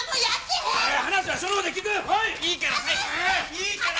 いいから！